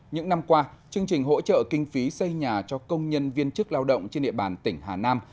những năm qua chương trình hỗ trợ kinh phí xây nhà cho công nhân viên chức lao động trên địa bàn tỉnh hà nam